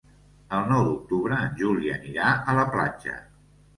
El nou d'octubre en Juli anirà a la platja.